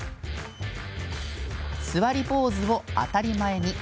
すわりポーズを当たり前に。